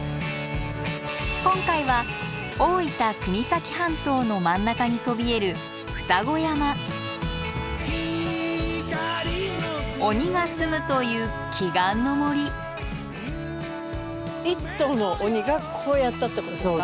今回は大分・国東半島の真ん中にそびえる１頭の鬼がこうやったってことですか？